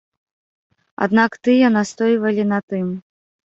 Аднак тыя настойвалі на тым.